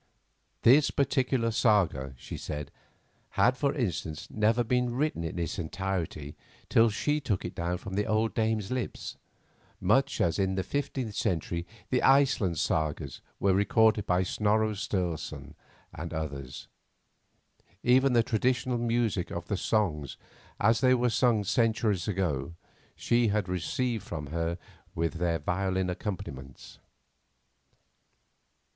This particular saga, she said, had, for instance, never been written in its entirety till she took it down from the old dame's lips, much as in the fifteenth century the Iceland sagas were recorded by Snorro Sturleson and others. Even the traditional music of the songs as they were sung centuries ago she had received from her with their violin accompaniments.